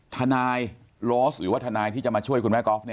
ทนายโรสหรือว่าทนายที่จะมาช่วยคุณแม่ก๊อฟ